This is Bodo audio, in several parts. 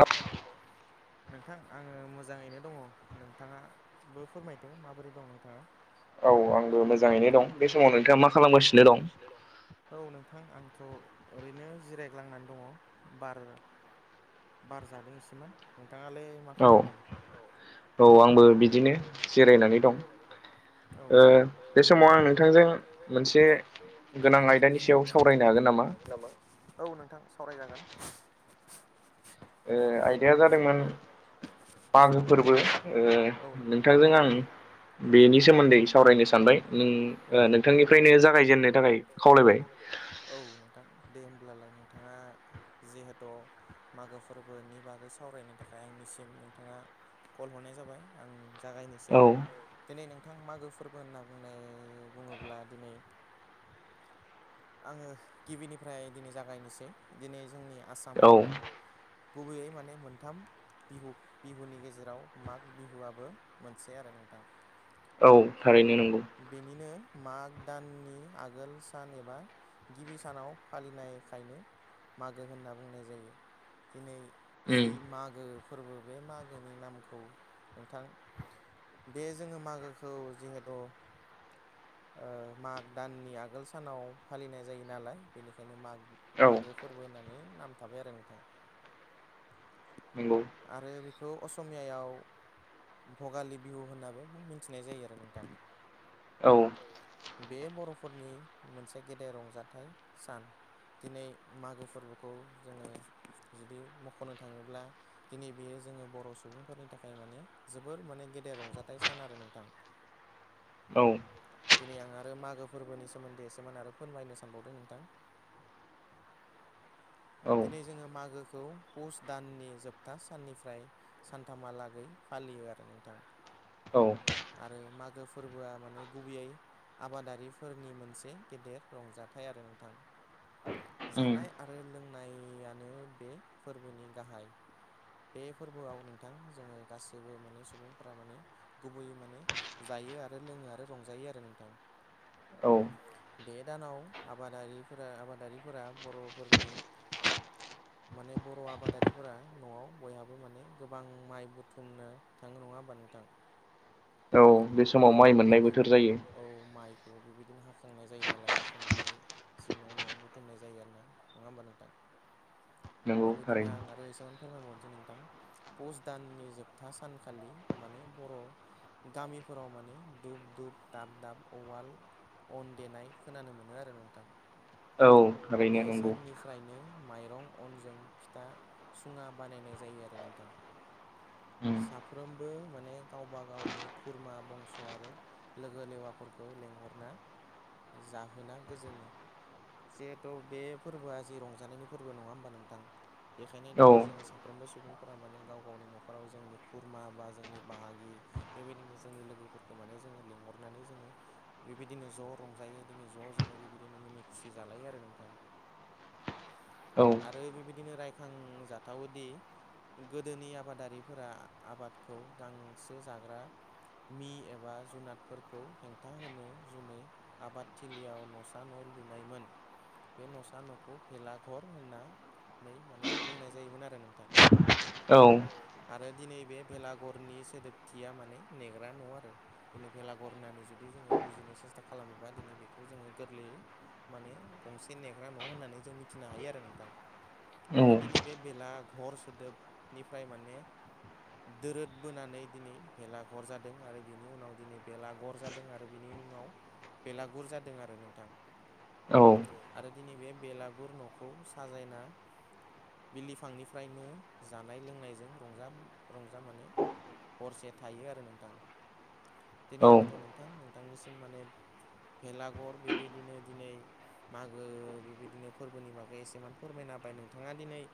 दा माबोरै दं नोंथां आङो मोजाङैनो दङ नोंथाङाबो फोरमायदो माबोरै दं नोंथाङा औ आंबो मोजाङैनो दं बे समाव नोंथाङा मा खालामगासिनो दं औ नोंथां आंथ' ओरैनो जिरायग्लांनानै दङ बार बार जादों एसेमोन नोंथाङालाय मा खालामदों औ आंबो बिदिनो जिरायनानै दं औ नोंथां बे समाव आं नोंथांजों मोनसे गोनां आय दानि सायाव सावरायनो हागोन नामा औ नोंथां सावरायजागोन ओ आयदाया जादोंमोन औ-औ नोंथां नोंथांजो आं बेनि सोमोन्दै सावरायनो सानबाय नों नोंथांनिफ्रायनो जागायजेननो थाखाय खावलायबाय औ नोंथां दे होमब्लालाय नोंथाङा जिहेथु मागो फोर फोरबोनि बागै सावरायनो थाखाय आंनिसिम नोंथाङा कल हरनाय जाबाय आं जागायनोसै औ दिनै नोंथां मागो फोरबो होनना बुंनाय बुङोब्ला दिनै आङो गिबिनिफ्राय दिनै जागायनोसै दिनै जोंनि आसामाव गुबैयै माने मोनथाम बिहु बिहुनि गेजेराव माग बिहुआबो मोनसे आरो नोंथां थारैनो नंगौ बेनिनो माग दाननि आगोल सान एबा गिबि सानाव फालिनायखायनो मागो होनना बुंनाय जायो दिनै जि मागो फोरबो बे मागोनि नामखौ नोंथां बे जोङो मागोखौ जिहेथु ओ माग दाननि आगोल सानाव फालिनाय जायो नालाय बेनिखायनो माग मागो फोरबो होननानै नाम थाबाय आरो नोंथां आरो बेखौ असमियायाव भगालि बिहु होन्नाबो मिथिनाय जायो आरो नोंथां बे बर'फोरनि मोनसे गेदेर रंजाथाइ सान दिनै मागो फोरबोखौ जोङो जुदि मख'नो थाङोब्ला दिनै बेयो जोङो बर' सुबुंफोरनि थाखाय माने जोबोर माने गेदेर रंजाथाइ सान आरो नोंथां [inaudible] औ दिनै आं आरो मागो फोरबोनि सोमोन्दै एसेमान आरो फोरमायनो सानबावदों नोंथां दिनै जोङो मागो खौ पुस दाननि जोबथा साननिफ्राय सानथामहालागै फालियो आरो नोंथां औ आरो मागो फोरबोआ माने गुबैयै आबादारिफोरनि मोनसे गेदेर रंजाथाइ आरो नोंथां जानाय आरो लोंनायानो बे फोरबोनि गाहाय बे फोरबोआव नोंथां जोङो गासैबो माने सुबुंफोरा माने गुबैयै माने जायो आरो लोङो आरो रंजायो आरो नोंथां बे दानाव आबादारिफोरा आबादारिफोरा बर'फोरनि माने बर' आबादारिफोरा न'आव बयहाबो माने गोबां माइ बुथुमनो थाङो नङा होमबा नोंथां औ-औ बिब [unintelligible] औ माइखौ बेबायदिनो हाखांनाय जायो नालाय हाखांनानै जि न' न'आव बुथुमनाय जायो आरोना नङा होमबा नोंथां बेबायदिनो आं आरो एसेबां फोरमायबावनोसै नोंथां पस दाननि जोबथा सानखालि माने बर' गामिफोराव माने दुब दुब दाब दाब उवाल अन देनाय खोनानो मोनो आरो नोंथां औ बे साननि फ्रायनो माइरं अनजों फिथा सुङा बानायनाय जायो आरो नोंथां साफ्रोमबो माने गावबा गावनि खुरमा बंस आरो लोगो लेवाफोरखौ लेंहरना जाहोना गोजोनो जिहेथु बे फोरबोआ जि रंजानायनि फोरबो नङा होमबा नोंथां बेखायनो दिनै जोङो सा साफ्रोमबो सुबुंफोरा माने गाव गावनि न'खराव जोंनि खुरमा बा जोंनि बाहागि बेबायदिनो जोंनि लोगोफोरखौ माने जोङो लेंहरनानै जोङो बेबायदिनो ज रंजायो दिनै ज जोङो बेबायदिनो मिनि खुसि जालायो आरो नोंथां औ आरो बेबायदिनो रायखांजाथावोदि गोदोनि आबादारिफोरा आबादखौ गांसो जाग्रा मि एबा जुनादफोरखौ हेंथा होनो जुनै आबादथिलियाव न'सा न' लुनायमोन बे न'सा न'खौ भेलाघर होनना नै माने बुंनाय जायोमोन आरो नोंथां औ औ आरो दिनै बे भेलाघरनि सोदोबथिया माने नेग्रा न' आरो दिनै भेलाघर होननानै जुदि जोङो बुजिनो सेस्था खालामोबा दिनै बेखौ जोङो गोरलैयै माने गंसे नेग्रा न' होननानै जों मिथिनो हायो आरो नोंथां आरो दिनै बे बेलाघर सोदोबनिफ्राय माने दोरोद बोनानै दिनै भेलाघर जादों आरो बेनि उनाव दिनै बेेलाघर जादों दोङो आरो बिनि उनाव बेलागुर जादों आरो नोंथां औ आरो दिनै बे बेलागुर न'खौ साजायना बिलिफांनिफ्रायनो जानाय लोंनायजों रंजा रंजा माने हरसे थायो आरो नोंथां दिनै आंथ नोंथां नोंथांनिसिम माने भेलाघर बेबायदिनो दिनै मागो बेबायदिनो फोरबोनि मागै एसेमान फोरमायना बाय नोंथाङा दिनै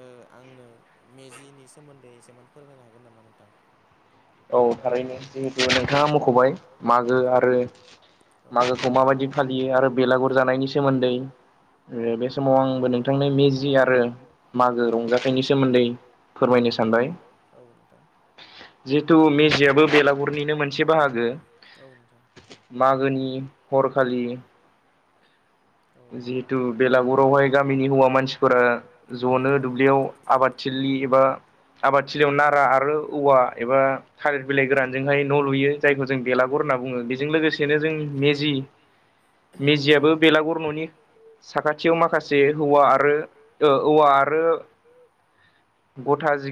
ओ आंनो मेजिनि सोमोन्दै एसेबां फोरमायनो हागोन नामा नोंथां औ थारैनो जिहेतु नोंथाङा मखबाय मागो आरो औ मागोखौ माबायदि फालियो आरो बेलागुर जानायनि सोमोन्दै बे समाव आंबो नोंथांनि मेजि आरो मागो रंजाथाइनि सोमोन्दै फोरमायनो सानबाय औ नोंथां जिहेतु मेजियाबो बेलागुरनिनो मोनसे बाहागो औ नोंथां मागोनि हरखालि [inaudible] जिहेथु बेलागुरावहाय गामिनि हौवा मानसिफोरा जनो दुब्लियाव आबादथिलि एबा आबादथिलियाव नारा आरो औवा एबा थालिर बिलाइ गोरानजोंहाय न' लुयो जायखौ जों बेलागुर होनना बुङो बेजों लोगोसेनो जों मेजि जि मेजियाबो बेलागुर न'नि साखाथियाव माखासे ज हौवा आरो औवा आरो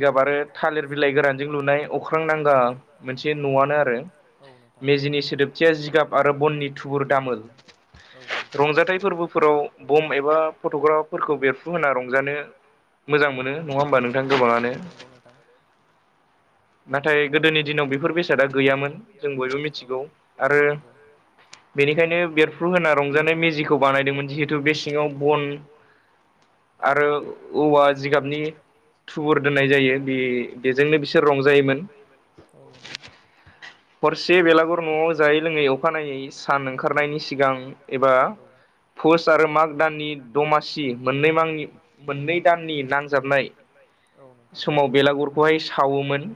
गथा जिगाब आरो थालिर बिलाइ गोरानजों लुनाय अख्रां नांगा मोनसे न'आनो आरो औ नोंथां मेजिनि सोदोबथिया जिगाब बननि थुबुर दामोल औ नंगौ रंजाथाइ फोरबोफोराव बम एबा फटगाफोरखौ बेरफुहोना रंजानो मोजां मोनो नङा होमबा नोंथां नाथाय गोदोनि दिनाव बेफोर बेसादा गैयामोन जों बयबो मिथिगौ आरो बेनिखायनो बेरफ्रु होना रंजानाय मेजिखौ बानायदोंमोन जिहेथु बे सिङाव बन औ नथां आरो औवा जिगाबनि थुबुर दोननाय जायो बे बेजोंनो बिसोर रं जायोमोन औ नोंथां हरसे बेलागुर न'आव जायै लोङै अखानायै सान ओंखारनायनि सिगां एबा फुस आरो माग दाननि दमासि मोननै मांनि मोननै दाननि नांजाबनाय समाव बेलागुरखौहाय सावोमोन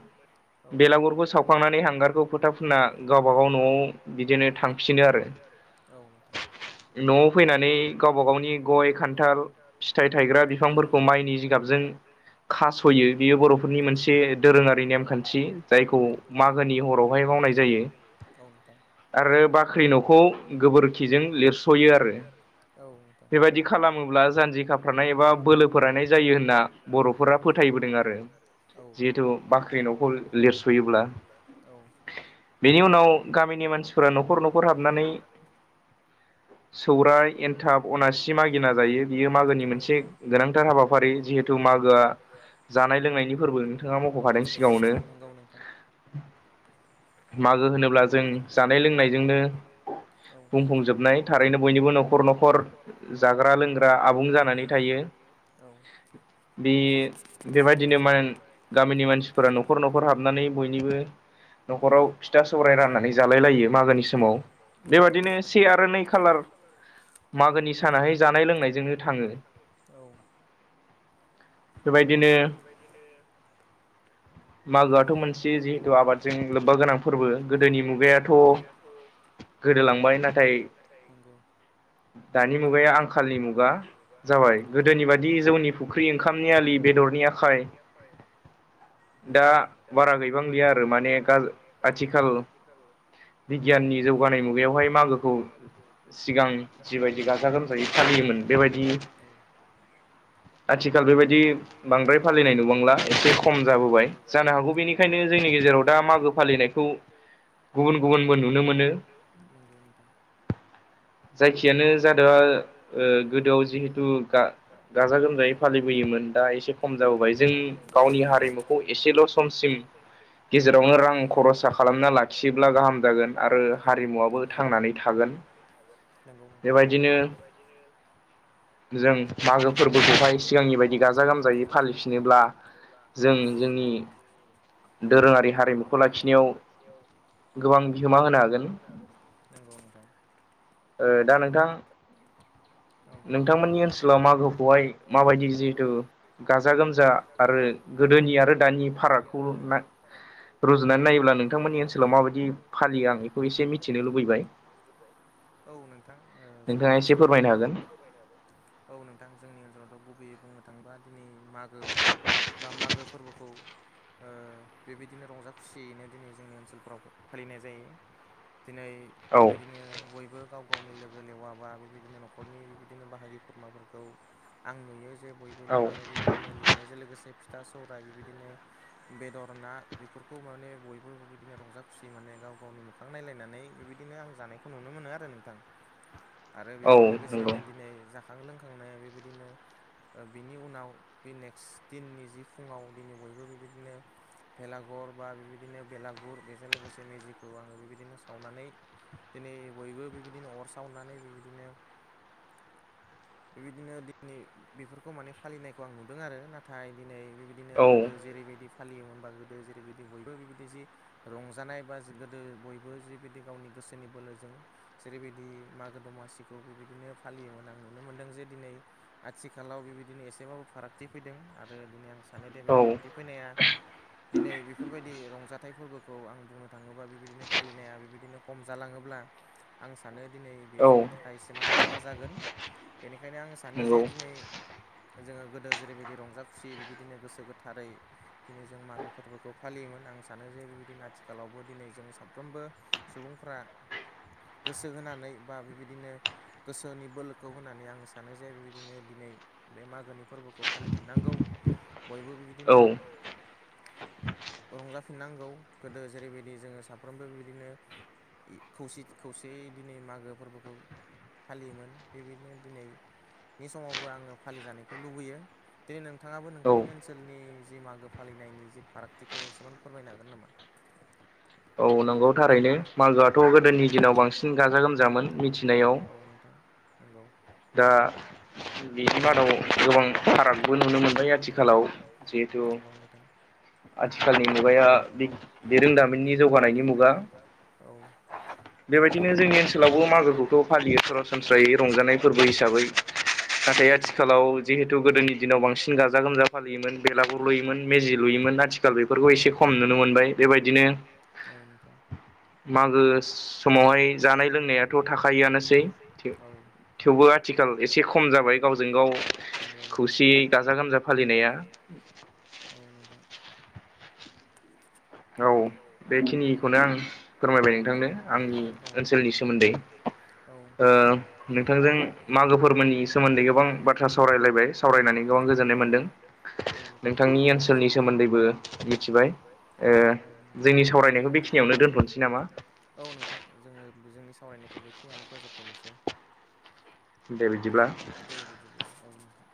बेलागुरखौ सावखांनानै हांगारखौ फोथा फुनना गावब गाव न'आव बिदिनो थांफिनो आरो न'आव फैनानै गावबा गावनि गय खान्थाल फिथाइ थायग्रा बिफांफोरखौ माइनि जिगाब नि जि गाबजों खास'यो बियो बर'फोरनि मोनसे दोरोङारि नेमखान्थि जायखौ मागोनि हरावहाय मावाव बवाय बुंनाय जायो औ नोंथां आरो बाख्रि न'खौ गोबोरखिजों लिरस'यो आरो औ बेबायाददि खालामोब्ला जानजि खाफ्रानाय एबा बोलो फोराननाय जायो होनना बर'फोरा फोथायबोदों आरो औ जिहेतु बाख्रि न'खौ लिरस'योब्ला औ बेनि उनाव गामिनि मानसिफोरा न'खर न'खर हाबनानै सौराय एन्थाब अनासि मागिना जायो बियो मागोनि मोनसे गोनांथार हाबाफारि जिहेथु मागोआ जानाय लोंनायनि फोरबो नोंथाङा मख'खादों सिगाङावनो मागो होनोब्ला जों जानाय लोंनायजोंनो बुंफुंजोबनाय थारैनो बयनिबो न'खर न'खर जाग्रा लोंग्रा आबुं जानानै थायो। बे बेबायदिनो मा गामिनि मानसिफोरा न'खर न'खर हाबनानै बयनिबो न'खराव फिथा सौराय राननानै जालायलायो मागोनि समाव बेबादिनो से आरो नै खालार खाल मागोनि सानाहाय जानाय लोंनायजोंनो थाङो औ बेबायदिनो मागोआथ' मोनसे जिहेथु आबादजों लोब्बा फोरबो गोदोनि मुगायाथ' गोदोलांबाय नाथाय दानि मुगाया आंखालनि मुगा जाबाय गोदोनि बादि जौनि फुख्रि ओंखामनि आलि बेदरनि आखाल बेदरनि आखाइ दा बारा गैबांलिया आरो माने आथिखाल बिगियाननि जौगानाय मुगायाव बेहाय मागोखौ सिगां जिबायदि गाजा गोमजायै फालियोमोन बेबायदि [inaudible] आथिखाल बेबायदि बांद्राय फालिनाय नुबुबांला एसे खम जाबोबाय जानो हागौ बेनिखायनो जोंनि गेजेराव दा मागो फालिनायखौ गुबुन गुबुनबो नुनो मोनो नंगौ नोंथां [inaudible] जायखियानो जादोंआ ओ गोदोआव जिहेथु गाजा जोंनिफ्राय फालिबोयोमोन दा एसे समम जाबोबाय जों गावनि हारिमुखौ एसेल' समसिम गेजेरावनो रां खरसा खालामना लाखियोब्ला गाहाम जागोन आरो हारिमुवाबबो थांनानै थागोन नंगौ नोंथां बेबायदिनो जों मागो फोरबोखौहाय सिगांनि बायदि गाजा गोमजायै फालिफिनोब्ला जों जोंनि दोरोङारि हारिमुखौ लाखिनायाव गोबां बिहोमा होनो हागोन। ओ दा नोंथां [inaudible] नोंथांमोननि ओनसोलाव मागोखौहाय माबायदि जिहेथु गाजा गोमजा आरो गोदोनि आरो दानि फारागखौ रुजुनानै नायोब्ला नोंथांमोननि ओनसोलाव माबायदि फालियो आं बेखौ एसे मिथिनो लु लुबैबाय औ नोंथां जोंनि ओनसोलावथ' औ नोंथां जोंनि ओनसोलावथ' गुबैयै बुंनो थाङोबा दिनै मागोखौ बा मागो फोरबोखौ ओ बेबायदिनो रंजा खुसियैनो दिनै जोंनि ओनसोलफ्राव फालिनाय जायो। दिनै बेबायदिनो बयबो गाव गावनि लोगो लेवा बा बेबायदिनो न'खरनि बेबायदिनो बाहागि खुरमाफोरखौ आं नुयो जे बयबो लिङो बेबायदिनो लिंनायजों लोगोसे फिथा सौराय बेबायदिनो बेदर ना बेफोरखौ माने बयबो बिदिनो रंजा खुसि माने गाव गाव मोखां नायलायनानै नै बिबायदिनो आं जानायखौ नुनो मोनो आरो नोंथां आरो बेजों लोगोसेनो दिनै खां लोंखांनाया बेबायदिनो बिनि उनाव बे नेक्स दिननि जि फुङाव दिनै बयबो बेबायदिनो भेलाघर बा बेबायदिनो बेलागुर बेजों लोगोसे मेजिखौ आङो बेबायदिनो सा सावनानै दिनै बयबो बेबेदिनो अर सावनानै बेबेदिनो बेबायदिनो दिनै बेफोरखौ माने फालिनायखौ आं नुदों आरो नाथाय दिनै बेबि दिनो गोदो जेरैबायदि फालियोमोन बा गोदो जेरैबायदि बयबो बिबायदि जि रंजानाय जि बा गोदो बयबो जि बिदि गावनि गोसोनि बोलोजों जेरैबायदि मागो दमासिखौ बेबायदिनो फालियोमोन आं नुनो मोनदों जे दिनै आथिखालाव बेबायदिनो एसेबाबो फारागथि फैदों आरो दिनै आं सानो दे बे फारागथि फैनाया दिनै बेफोरबायदि रंजाथाय फोरबोखौ आं बुंनो थाङोबा बेबायदिनो फालिनाया बेबायदि बिदिनो खम जालाङोब्ला आं सानो दिनै बे जोंनि थाखाय एसेमान खहा जागोन बेनिखायनो आं सानो जे दिनै जोङो गोदो जेरैबायदि रंजा खुसि बेबिदिनो गोसो गोथारै दिनै जों मागो फोरबोखौ फालियोमोन आं सानो जे बेबायदिनो आथिखालावबो दिनै जों साफ्रोमबो सुबुंफ्रा गोसो होनानै बा बेबायदिनो गोसोनि बोलोखौ होननानै आं सानो जे बेबायदिनो दिनै बे मागोनि फोरबोखौ फालिफिननांगौ बयबो बिबिदिनो औ रंजाफिननांगौ गोदो जेरैबायदि जोङो साफ्रोमबो बिबायदिनो इ खौसे खौसेयै दिनै मागो फोरबोखौ फालियोमोन बेबायदिनो दिनै बे समावबो आङो फालिजानायखौ लुगैयो दिनै नोंथाङाबो नोंथांनि ओनसोलनि जि मागो फालिनायनि जि फारागथिखौ एसेमान फोरमायनो हागोन नामा औ नंगौ थारैनो मागोआथ' गोदोनि दिनाव बांसिन गाजा गोमजामोन मिथिनायाव [unintelligible] नोंगौ दा बिनि मादाव गोबां फारागबो नुनो मोनबाय आथिखालाव नोंगौ नोंथां आथिखालनि मुगाया बे रोंदामिननि जौगानायनि मुगा औ बेबायदिनो जोंनि ओनसोलावबो मागोखौथ' फालियो सरासनस्रायै रं रंजानाय फोरबो हिसाबै [unintelligible] माने आथिखालाव जिहेथु गोदोनि दिनाव बांसिन गाजा गोमजामोन मोन बेलागुर लुयोमोन मेजि लुयोमोन आथिखालफोरखौबो एसे खम नुनो मोनबाय बेबायदिनो [unintelligible] मागो समावहाय जानाय लोंनायाथ' थाखायोआनोसै [unintelligible] थेवबो आथिखालाव एसे खम जाबाय गावजों गाव [unintelligible] खौसेयै गाजा गोमजा फालिनाया औ नोंथां [unintelligible] औ बेखिनिखौनो आं फोरमायबाय नोंथांनो आंनि ओनसोलनि सोमोन्दै [unintelligible] ओ नोंथांजों मागो फोरबोनि सोमोन्दै गोबां बाथ्रा सावरायलायबाय [unintelligible] सावरायनानै गोबां गोजोननाय मोनदों औ नोंथां आंबो गोजोननाय मोनदों [unintelligible] [unintelligible] जोंनि सावरायनायखौ बेखिनियावनो दोनथ'सै [unintelligible] औ नोंथां जोङो जोंनि सावरायनायखौ बेखिनियावनो फोजोबथ'निसै दे बिदिब्ला [unintelligible]